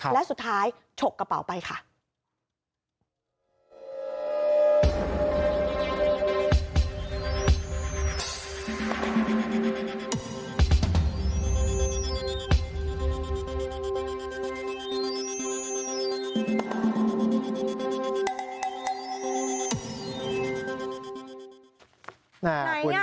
และสุดท้ายฉกกระเป๋าไปค่ะ